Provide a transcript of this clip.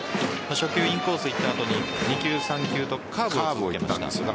初球インコース行った後に２球、３球とカーブを続けました。